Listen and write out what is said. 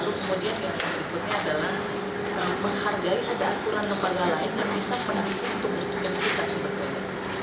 kemudian yang berikutnya adalah menghargai ada aturan lembaga lain yang bisa menentukan tugas tugas kita sebetulnya